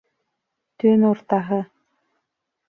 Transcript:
Төн уртаһы